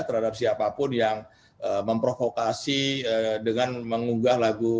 terhadap siapapun yang memprovokasi dengan mengunggah lagu